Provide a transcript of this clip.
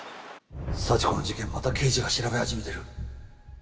幸子の事件また刑事が調べ始めてる。